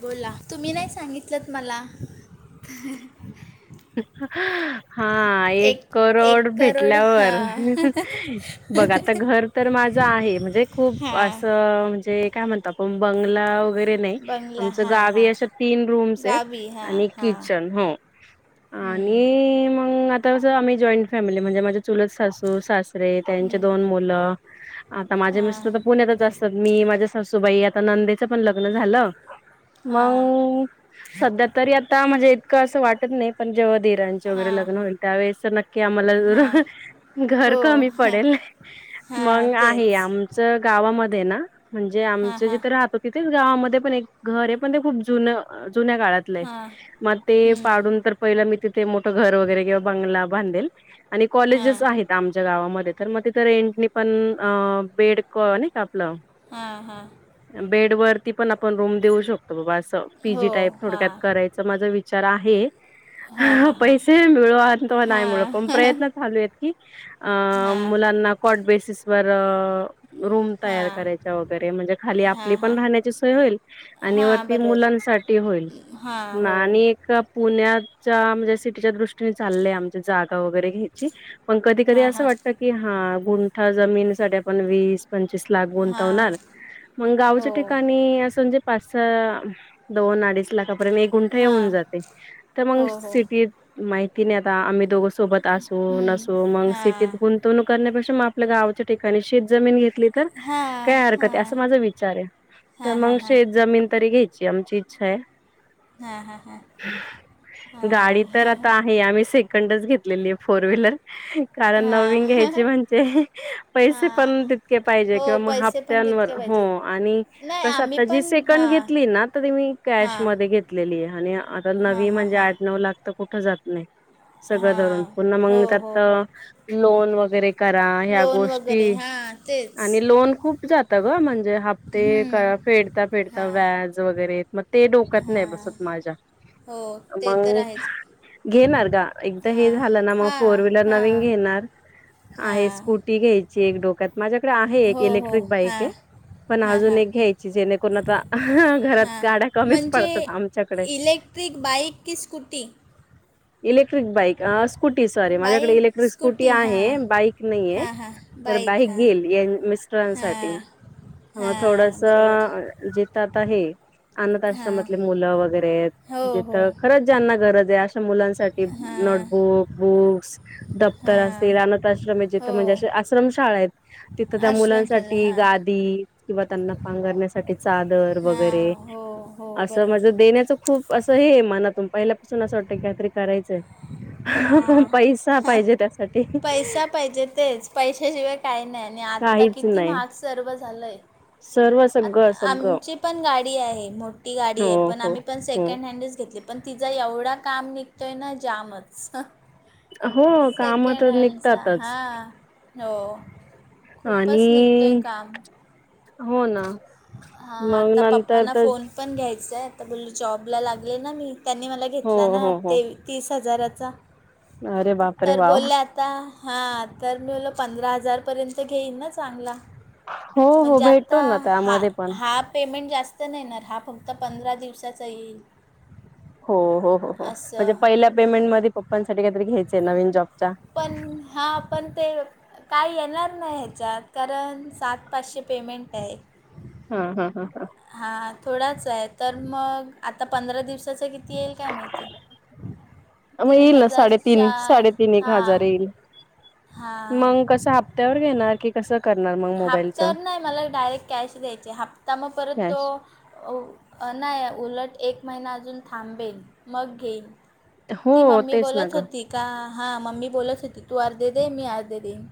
बोला तुम्ही नाही सांगितलंत मला, काय हा, एक एक करोड करोड भेटल्यावर. हां बघ आता घर तर माझं आहे. म्हणजे खूप हां असं म्हणजे, काय म्हणता. पण बंगला वगै बंगला आमच्या हां गावी हां अशा तीन रूम्स आहेत, गावी हां आणि हां किचन हो. आणि मगं आता कसं आम्ही, जॉईंट फॅमिली म्हणजे माझ्या चुलत. सासू सासरे त्यांचे दोन मुलं, आता माझे हां मिस्टर तर. पुण्यातच असतं. मी माझ्या सासूबाई आता नंदेचं पण लग्न झालं. हां मगं. सध्या तरी आता म्हणजे इतक असं वाटत नाही पण जेव्हा दीरा ची वैगरे हां लग्न होईल त्यावेळेस तर नक्की आम्हाला जरा हां घर हो कमी हां पडेल हां मग तेच आहे आमच गावामध्ये आहे ना म्हणजे हां आमचे हां जिथ राहत तिथेच गावामध्ये पण एक घर आहे पण ते खूप जुन जुन्या काळात हां म ते हां पाडून तर पहिलं मी तिथे मोठ घर वगैरे किंवा बंगला बांधेल आणि कॉलेजेस हां आहेत आमच्या गावामध्ये तर म तिथं रेंटनी पण अ बेड क नाही का आपलं हा हा बेड वरती पण आपण रूम देऊ शकतो बाबा असं हो पीजी टाईप हां थोडक्यात करायचं माझा विचार आहे हां हां हां पैसे मिळू आत किंवा नाही मिळो पण हां प्रयत्न चालू आहेत की आ हां मुलांना कोट बेसिस वर रूम तयार हां करायच्या वगैरे म्हणजे खाली हां आपली हां पण राहण्याची सोय होईल आणि हां वरती बरोबर मुलांसाठी होईल हां हो आणि एक पुण्याच्या म्हणजे सिटीच्या दृष्टीने चाललंय आमची जागा वगैरे घ्यायची पण कधी कधी हां असं हां वाटत की हा गुंठा जमीन साठी आपण वीस पंचवीस लाख हां गुंतवणार मग गावच्या हो ठिकाणी असं म्हणजे पाच सहा दोन अडीच लाखापर्यंत एक गुंठ येऊन हां जातय तर हो मग हो सिटीत माहिती नाही आता आम्ही दोघ सोबत असू हम्म नसू मग सिटीत हां गुंतवणूक करण्यापेक्षा म आपल्या गावच्या ठिकाणी शेत जमीन घेतलीत तर हां काय हरकत आहे अस हां माझा विचार आहे तर हां मग हां हां हां शेत जमीन तरी घ्या यची आमची इच्छा आहे हा हा हा गाडी तर आता आहे आम्ही सेकंडच घेतलेली फोर व्हीलर कारण नवीन घ्यायची हां म्हणजे पैसे हां पण तितके पाहिजे हो किंवा मग पैसे पण हफ्त्यावर तितके हो पाहिजेत आणि नाही कस आम्ही आता जी पण सेकंड हां घेतली ना तर ती मी हां कॅशमध्ये घेत लेली आणि आता हां नवी हां म्हणजे हां आठ नऊ लाख तर कुठ जात नाही सगळं हां धरून पुन्हा हो मग हो त्यात हो लोन वगैरे करा ह्या लोन गोष्टी वगैरे हां तेच आणि लोन खूप जात ग म्हण जे हप्ते हम्म फेडता फेडता हां व्याज वगैरे म ते डोक्यात नाही हां बसत माझ्या हो ते तर मग आहेच घेणार गा एकदा हे हां झालं ना मग फोर हां व्हीलर हां नवीन घेणार आहेच हां स्कूट टी घ्यायची एक डोक्यात माझ्याकडे आहे एक हो हो इलेक्ट्रिक बाईक हां आहे पण हां अजून हां एक घ्यायची जेणेकरून आता घरात हां गाड्या कमीच पडतात आमच्याकडे ट्रिक बाईक की स्कूटी इलेक्ट्रिक बाईक अ स्कूटी सॉरी माझ्याकडे बाईक इलेक्ट्रिक स्कूटी हां आहे बाईक नाही हाय हां हां तर बाईक हां घेईल मिस्टरांसाठी हां म हां बरोबर थोडसं जिथ आता हे अनाथ हां आश्रमातले मुलं वगैरे आहेत हो जिथ हो खरंच ज्यांना गरज आहे अशा मुलांसाठी हां नोटबुक बुक्स दफ्तर हां असेल अनाथ आश्रम आहेत तिथ हो म्हणजे अस आश्रमशाळा आहेत तिथं त्या आश्रमशाला मुलांसाठी हां गादी किंवा त्यांना पांगरण्यासाठी चादर हां वगैरे हो हो असं माझं बरोबर देण्याच खूप असं हे मनातून पहिल्यापासून असं वाटतं की काहीतरी करायचंय हां पैसा हां पाहिजे त्यासाठी पैसा पाहिजे तेच पैशाशिवाय काय नाही आणि आत्ता किती मार्क्स सर्व झालंय. सर्वच आ-आमची पण गाडी आहे. मोठी गाडी हो आहे, पण हो आम्ही पण हो सेकंड हँडच घेतली. पण तिचा एवढा काम निघतोय ना जामचं. हो. काम सेकंड तर हँडचा निघतातच हां हो. खूपच निघतोय आणि काम. हो ना, हां मग आता नंतर पप्पांना फोन तेच पण घ्यायचं आहे. आता बोल्ली जॉबला लागले ना मी त्यांनी मला हो घेतला ना हो हो ते. तीस हजाराचा अरे बाप तर बोलले आता, हां तर मला पंधरा हजारपर्यंत घेईन ना चांगला. हो हो म्हणजे भेटतो आता ना हा त्यामध्ये पण हा पेमेंट जास्त त नाही येणार हा फक्त पंधरा दिवसाचा येईल. हो हो हो हो. म्हणजे असं पहिल्या पेमेंटमध्ये पप्पांसाठी काहीतरी घ्यायचे नवीन जॉबच्या. पण हा, पण ते काय येणार नाही ह्याच्यात, कारण सात पाचशे पेमेंट आहे. हा हा हा हा. हा थोडाच आहे, तर मग आता पंधरा दिवसाचा कित ती यील काय माहिती. मग तीन येईल ना हजार साडेतीन चार साडेतीन एक हां हजार येईल हां. त्यावर घेणार की. कस करणार मग? मोबाईलच हप्त्यावर नाही मला डायरेक्ट कॅश द्यायची. हप्ता मग परत तो कॅश अं नाही उलट एक महिना अजून थांबेल मग घेईल. हो ती मम्मी तेच ना बोलत ग होती. का हां मम्मी बोलत होती, तू अर्धे दे मी अर्धे देईन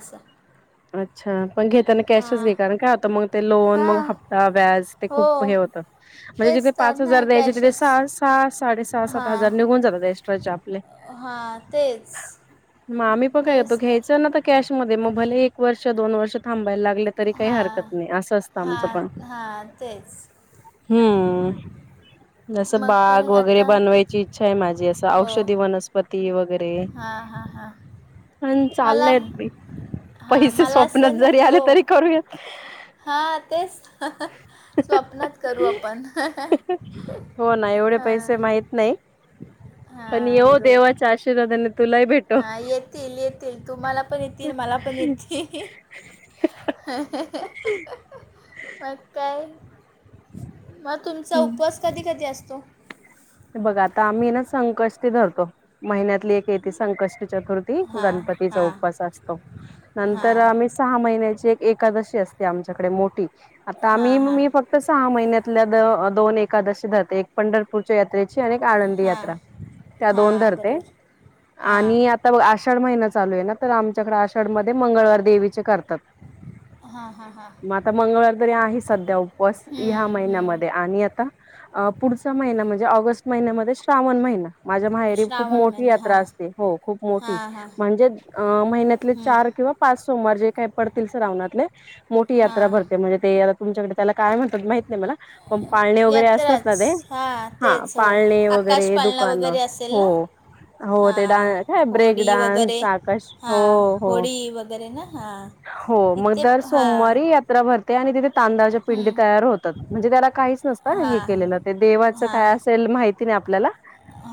असं. अच्छा पण घेताना कॅशच हां घे, कारण काय आता मग ते लोन मग हां हप्ता व्याज ते हो खूप हे होतं. म्हणजे तेच जिथं तर पाच हजार नाही द्यायचे तिथे कॅशच सहाच साडे सहा सात हां हजार निघून जातात एक्स्ट्राचे आपले. हां तेच मग आम्ही पण काय करतो, घ्यायचं ना तर कॅशमध्ये. मग भले एक वर्ष, दोन वर्ष थांबायला लागलं तरी काही हरकत हां नाही असं असतं आमच हां पण. हां तेच हम्म. जसं मग काय बाग वगैरे आता बनवायची इच्छा आहे माझी. असं हो औषधी वनस्पती वगैरे हां हां हां [unintelligible] आणि मला चाललेत बी. [inaudible] पैसे मला स्वप्नात जरी आले तरी करूया. हा तेच स्वप्नात करू आपण. हो ना एवढे पैसे माहीत नाही. हा पण बर. येवो देवाच्या आशीर्वादाने तुलाही भेट हा येतील येतील. तुम्हाला पण येेतील, मला पण हम्म येतील. मग काय, मग तुमचा उपवास कधी कधी असतो? हे बघ आता आम्ही ना संकष्टी धरतो महिन्यातली एक. ती संकष्टी चतुर्थी हां गणपतीचा हां उपवास असतो नंतर हां आम्ही. सहा महिनची एक एकादशी असते आमच्याकडे मोठी आता आ हां हां मी फक्त सहा महिन्यातल्या दोन एकादशीधर एक पंढरपूर यात्रेची आणि आनंदी हां यात्रा त्या दोन हां धरते बरोबर हां आणि आषाढ महिना चालू आहे ना तर आमच्याकडे आषाढ मध्ये मंगळवार देवीचे करतात. हा हा हा. मग आता मंगळवार तरी आहे सध्या उपस या्या हम्म, महिन्यामध्ये हम्म. आणि आता पुढचा महिना म्हणजे ऑगस्ट महिन्यामध्ये श्रावण महिना. माझ्या माहेरी श्रावण मोठी महिना हां यात्रा हो खूप मोठी. हां हां म्हणजे अ महिन्यातले हम्म, चार किंवा पाच सोमवार जे काही पडतील श्रावनातले. मोठी हां यात्रा भरते म्हणजे ते आता तुमच्याकडे त्याला काय म्हणतात माहित नाही मला पण पाळणे वगैरे असतात ना ते. हा. हा पाळणे वगैरे दुकानं असेल हो. ना हो ते हां डान काय ब्रेक होडी वगैरे डान्स आकाश हां हो हो. होडी वगैरे ना हां हो मग इथे दर प- हां सोमवारी यात्रा भरते आणि तिथे तांदच्यापिंडी हम्म, तयार होतात म्हणजे त्याला काहीच नसत ना हे हां केलेलं देवाच. हां तेल माहिती नाही आपल्याला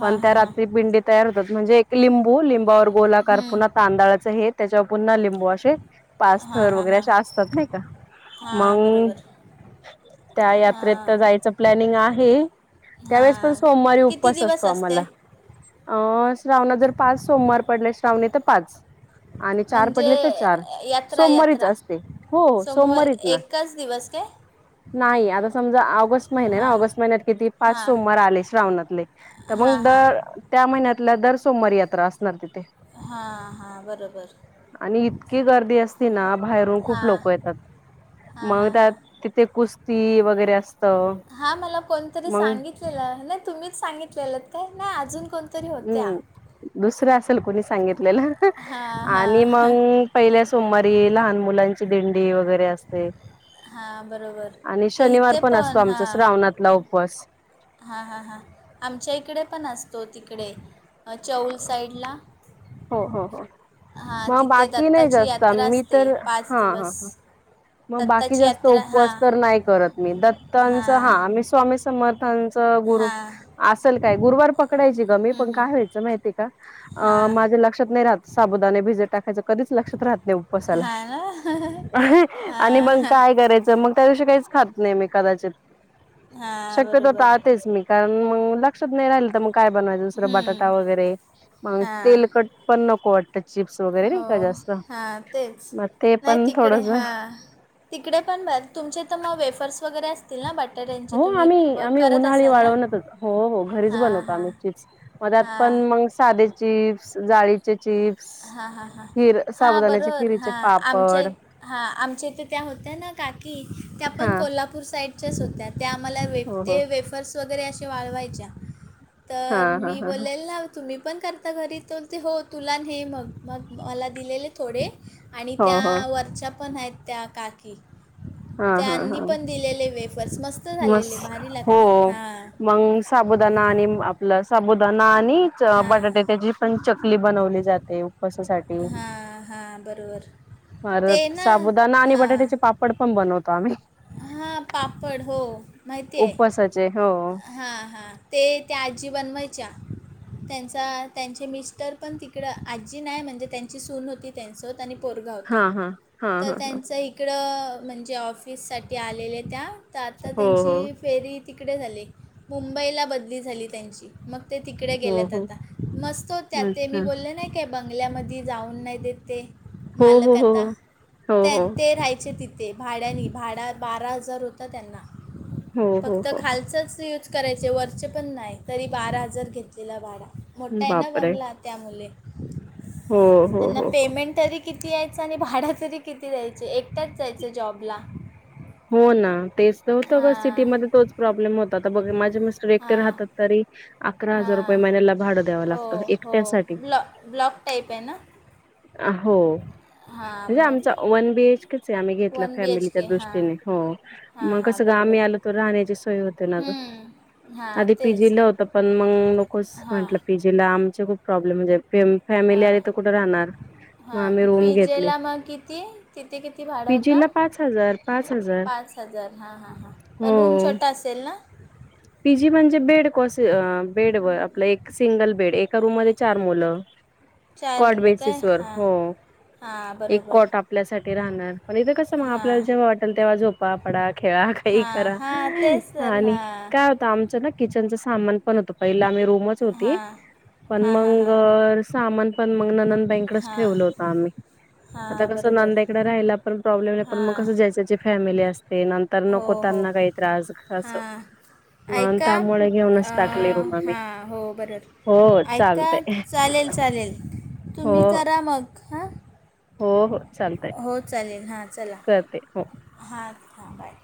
हां त्या हां हां रात्री पिंडी तयार होतात म्हणजे एक लिंबू लेम बर बोला कार हां पूर्ण तांदळाचं हे त्याच्यावर पुन्हा लेम वॉशे हां पास्थर हां वगैरे हां असे असतात नाही का हां मग. बरोबर त्या यात्रेत हां तर जायचं प्लॅनिंग आहे. त्यावेळेस पण हां सोमवारी किती उपवास दिवस असतो आम्हाला. असते अं श्रावणाात जर पाच सोमवार पडले श्रावणी तर पाच. आणि चार म्हणजे पडले तर चार यात्रा सोमवारीच यात्रा असते हो सोमवार सोमवारीच ना. एकच दिवस काय नाही आता समजा ऑगस्ट महिने ना हां ऑगस्ट महिन्यात किती? पाच हां सोमार आले श्रावणातले तर हां मग हां दर. त्या महिन्यातल्या दर सोमवार यात्रा असणार तिथे. हा हा बरोबर. आणि इतकी गर्दी असती ना बाहेरून खूप लोक येतात. हा मग हा हा. त्यात तिथे कुस्ती वगैरे असत. हां मला कोणतरी मग सांगितलेलं नाही तुम्हीच सांगितलेलं काय नाही अजून कोणतरी होत. दुसरा असेल कुणी सांगितलेलं हां आणि हां मग पहिल्या सोमवारी लहान मुलांची दिंडी वगैरे असते. हां बरोबर आणि ते शनिवार इथे पण असतो आमचा हां श्रावणातला उपवास. हां हां हां आमच्या इकडे पण असतो तिकडे चौल साईडला. हो हो हो हां मग तिथे बाकी नाही दत्ताची जास्त यात्रा मी असते तर पाच हा दिवस हा ह. मग बाकी दत्ताची जास्त यात्रा हां उपवास तर नाही करत मी दत्तांचा हां हाी स्वामी समर्थां गुरु हां असल काय गुरुवार पकडायची गमी हं, पण हं. काय व्हायचं माहिती का. अं हां माझे लक्षात नाही राहत साबुदाणे भिजत टाकायच. कधीच लक्षात राहत नाही उपवासाला हां ना आणि मग हां काय करायचं मग. त्या दिवशी काहीच खात नाही मी कदाचित हां शक्यतो बरोबर टाळतेच मी. कारण मग लक्षात नाही राहिल तर मग काय बनवायचं दुसरं बटाटा हं, वगैरे मग हां तेल पण नको वाटत चिप्स वगैरे नाही हो का जास्त हां तेच मग ते नाही पण तिकडे थोडस. हां तिकडे पण बर तुमचे तर मग वेफर्स वगैरे अस. हो आम्ही उन्हाळी असाल ना वाळवण हो हो घरीच हां बनवतो हां आम्ही चीप्स. म त्यात हां पण मग साधे चिप्स, जाळीचे चिप्स, हां हां हां खीर हां साबुदाण्याच्या बरोबर खिरीचे हां पापड आमच्याही हा आमच्या इथं त्या होत्या ना काकी त्या पण हा कोल्हा पूर साईडच्याचं होत्या त्या आम्हाला हो हो ते वेफर्स वगैरे असे वाळवायच्या. हा तर हा मी हा बोलले ना तुम्ही पण करता घरी तर ते हो तुला हे मग मग मला दिलेले थोडे आणि हो हो त्या वरच्या पण आहेत त्या काकी. हा हा हा त्यांनी पण दिलेले वेफर्स मस्त मस् झालेले भारी हो लागतात हां. मग साबुदाणा आणि आपलं साबुदाणा आणि हां बटाट्याची पण चकली बनवली जा ते उपसासाठी हां हां बरोबर ते परत ना साबुदाणा आणि बटाट्याचे पाप पण बनवतो आम्ही. हा पापड हो माहिती आहं. चे हो. हां हां ते त्या आजी बनवायच्या त्यांचा त्यांचे मिस्टर पण तिकडं आजी नाही म्हणजे त्यांची सून होती त्यांचं त्यानी पोरगा होता. हा हा हा तर हा हा त्यांचा तिकड म्हणजे ऑफिससाठी आलेल्या त्या तर आता हो हो त्यांची फेरी तिकडे झाली. मुंबईला बदली झाली त्यांची. मग ते तिकडे हो गेल्यात हो आता मस्त होत्या ते अच्छा मी बोलले नाही क बंगल्यामध्ये जाऊन नाही देते हो मालक हो हो आता हो त्या हो ते राहायचे तिथ भाड्यानी भाडा बारा हजार होता त्यांना हो हो हो फक्त हो. खालचचं यूज करायचे वरचे पण नाही तरी बारा हजार घेतलेला भाडा मोठा आहे ना बापरे बंगला. त्यामुले हो हो त्यांना हो हो पेमेंट तरी किती यायचं आणि भाडा तरी किती दायचे एकटयाचं जायच्या जॉबला. हो ना तेच तर होतं गं हां सिटीमध्ये तोच प्रॉब्लेम होता तर बघ माझे मिस्टर एकटे हां राहतात तरी अकरा हजार हां रुपये महिन्याला भाडं द्यावं हो लागतं हो एकट्या साठी. ब्लॉ ब्लॉक टाईप आहे ना हो हां म्हणजे आमचा मग वन बीएच केच आहे आम्ही घेतला वन बी एच फॅमिलीच्या के दृष्टी हां हो हां मग हां कसं गं बरोबर आम्ही आलो तर राहण्याची सोय होते ना गं हम्म, हां आधी तेच पीजी ला होत पण मग नकोचं हां म्हटलं पीजी लांबच खूप प्रॉब्लेम म्हणजे फॅमिली आली तर कुठे राहणार? मग हा आम्ही रूम घेतली पि्जेला मग किती तिथे किती भाड होतं? पीजीला पाच हजार पाच हजार पाच हजार हा हा हा हो. पण रूम छोटा असेल ना? पीजी म्हणजे बेड कोस बेड व आपलं एक सिंगल बेड एका रूम मध्ये चार मुलं. चार कॉड मुलं काय बेसिस वर, हां हो. हां एक बरोबर कॉट आपल्यासाठी राहणार पण इथे कसं मग हां आपल्याला जेव्हा वाटेल तेव्हा झो पा पडा खेळा काहीही हां करा हां तेच तर आणि हां का आमचं ना किचनचं सामान पण होत पहिलं आम्ही रूमच हां होती पण हां हां मग हां सामान पण मग ननंद बाईनंकडं हां ठेवलं होत आम्ही. हां आता कसं बरोबर नंदेकडे राहायला पण प्रॉब्लेम नाही पण मग हां कसं जायची त्याची फॅमिली असते ते नंतर हो नको हो त्यांना काही त्रास असं. हां ऐका टाकली रूम आम्ही हा हो बरं. हो ऐका चालतय चालेल चालेल हो तुम्ही करा मग हा. हो हो चालतंय. हो चालेल हां चला हां हां बाय.